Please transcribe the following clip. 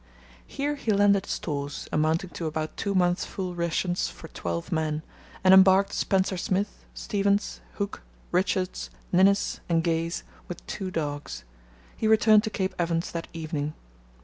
Here he landed stores, amounting to about two months' full rations for twelve men, and embarked Spencer Smith, Stevens, Hook, Richards, Ninnis, and Gaze, with two dogs. He returned to Cape Evans that evening.